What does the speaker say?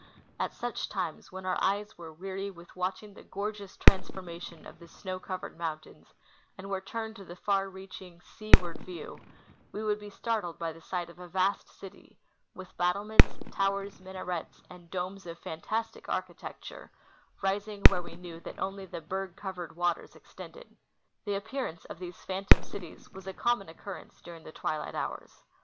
At such times, when our eyes were weary with watching the gorgeous transformation of the snow covered mountains and were turned to the far reaching seaward view, we would be startled by the sight of a vast city, with battlements, towers, minarets, and domes of fantastic architecture, rising where we knew that only the berg covered waters extended. The appearance of these phantom cities was a common occurrence during the twilight hours.